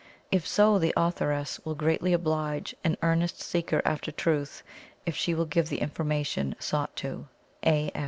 if so, the authoress will greatly oblige an earnest seeker after Truth if she will give the information sought to "A.